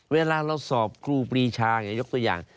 เวลาเราสอบครูปรีชายกตัวอย่าง